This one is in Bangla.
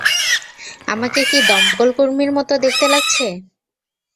আমাকে কি দমকলকর্মীর মত দেখতে লাগছে?